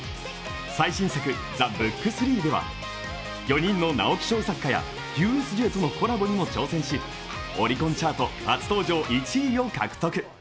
最新作「ＴＨＥＢＯＯＫ３」では４人の直木賞作家やＵＳＪとのコラボにも挑戦し、オリコンチャート初登場１位を獲得。